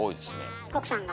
奥さんが？